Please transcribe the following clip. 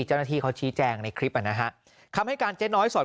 เจ้าหน้าที่เขาชี้แจงในคลิปอ่ะนะฮะคำให้การเจ๊น้อยสอด